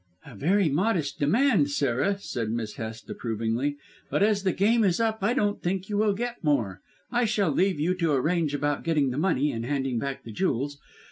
"A very modest demand, Sarah," said Miss Hest approvingly, "but as the game is up I don't think you will get more. I shall leave you to arrange about getting the money and handing back the jewels.